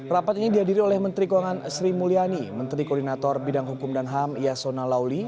rapat ini dihadiri oleh menteri keuangan sri mulyani menteri koordinator bidang hukum dan ham yasona lauli